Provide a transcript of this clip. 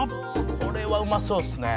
「これはうまそうっすね」